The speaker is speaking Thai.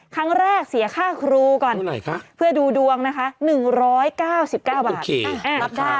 ครั้งแรกเสียค่าครูก่อนเพื่อดูดวงนะคะ๑๙๙บาท